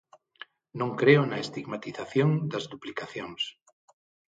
Non creo na estigmatización das duplicacións.